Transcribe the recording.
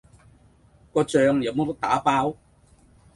個醬有冇得打包？